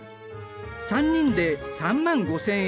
３人で３万５，０００円。